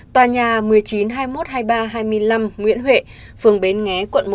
tòa nhà một nghìn chín trăm hai mươi một hai mươi ba hai mươi năm nguyễn huệ phường bến nghé quận một